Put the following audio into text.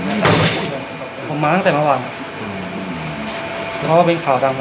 ก็รักหองแต่แองจนครับแล้วก็